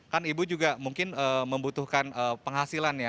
kan ibu juga mungkin membutuhkan penghasilan ya